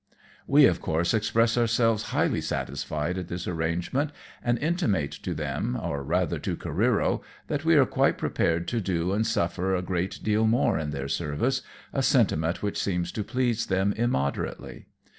We of course express ourselves highly satisfied at this arrangement, and intimate to them, or rather to Careero, that we are quite prepared to do and suffer a great deal more in their service, a sentiment which seems to please them immoderately.